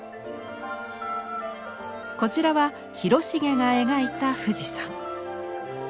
こちらは広重が描いた富士山。